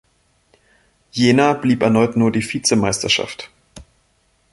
Jena blieb erneut nur die Vizemeisterschaft.